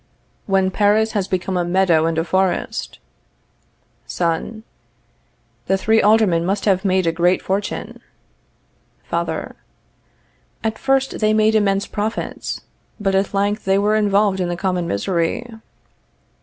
_ When Paris has become a meadow and a forest. Son. The three Aldermen must have made a great fortune. Father. At first they made immense profits, but at length they were involved in the common misery.